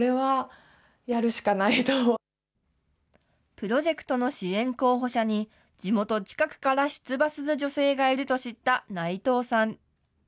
プロジェクトの支援候補者に、地元近くから出馬する女性がいると知った内藤さん。